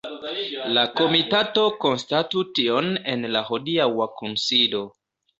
La komitato konstatu tion en la hodiaŭa kunsido.